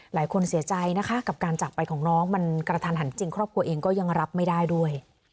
หลายคนเสียใจนะคะกับการจากไปของน้องมันกระทันหันจริงครอบครัวเองก็ยังรับไม่ได้ด้วย